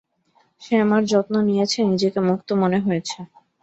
সে আমার যত্ন নিয়েছে, নিজেকে মুক্ত মনে হয়েছে।